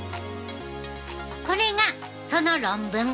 これがその論文。